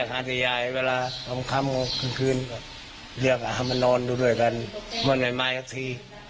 ยังคุยอยู่มันยังพูดกันมันไม่เห็นมันคุยไม่ได้